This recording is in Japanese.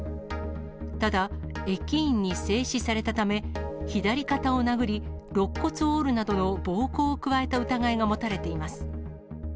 ただ、駅員に制止されたため、左肩を殴り、ろっ骨を折るなどの暴行を加えた疑いが持たれています。